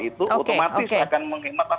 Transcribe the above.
itu otomatis akan menghematkan